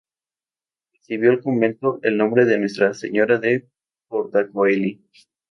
Recibió el convento el nombre de Nuestra Señora de Porta Coeli.